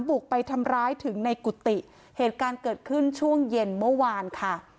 บุกไปทำร้ายถึงในกุฏิเหตุการณ์เกิดขึ้นช่วงเย็นเมื่อวานค่ะ